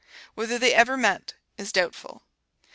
Whether they ever met is doubtful.